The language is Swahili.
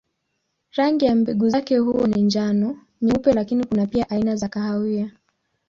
Rangi ya mbegu zake huwa ni njano, nyeupe lakini kuna pia aina za kahawia.